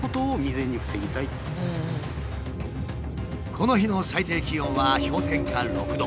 この日の最低気温は氷点下６度。